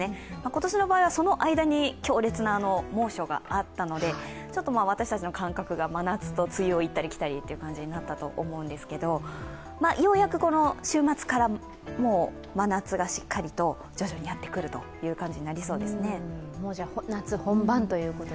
今年の場合は間に強烈な猛暑があったので私たちの感覚が真夏と梅雨を行ったり来たりという感じになったと思うんですけれども、ようやく、週末から真夏がしっかりと徐々にやってくるという感じになりそうですね。